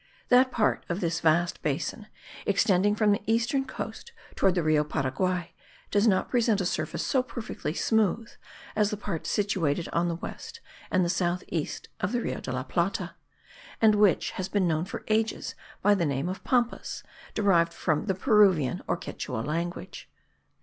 That part of this vast basin extending from the eastern coast towards the Rio Paraguay does not present a surface so perfectly smooth as the part situated on the west and the south east of the Rio de la Plata, and which has been known for ages by the name of Pampas, derived from the Peruvian or Quichua language.